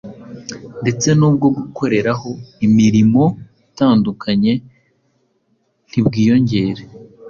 ndetse n’ubwo gukoreraho imirimo itandukanye ntibwiyongere.